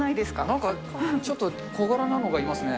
なんかちょっと小柄なのがいますね。